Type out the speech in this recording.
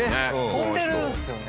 跳んでるんですよね。